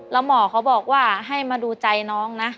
แล้วหมอเขาบอกว่าให้มาดูใจน้องนะ